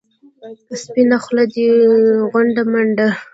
سپینه خوله دې غونډه منډه.